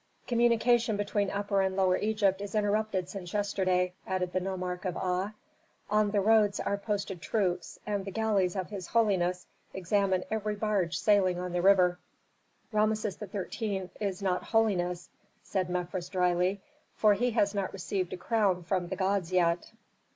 "Communication between Upper and Lower Egypt is interrupted since yesterday," added the nomarch of Aa. "On the roads are posted troops, and the galleys of his holiness examine every barge sailing on the river." "Rameses XIII. is not 'holiness,'" said Mefres, dryly, "for he has not received a crown from the gods yet."